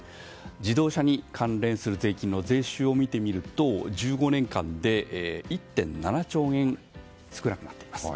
自動車に関連する税金の税収を見てみると１５年間で１．７兆円少なくなっています。